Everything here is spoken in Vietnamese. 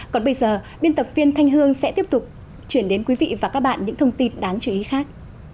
còn bây giờ biên tập viên thanh hương sẽ tiếp tục chuyển đến quý vị và các bạn những thông tin đáng chú ý khác